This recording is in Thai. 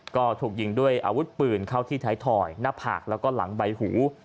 ก็ถูกยิงด้วยอาวุธปืนเข้าที่ไทยทอยหน้าผากแล้วก็หลังใบหู